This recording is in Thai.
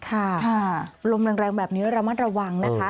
ค่ะลมแรงแบบนี้ระมัดระวังนะคะ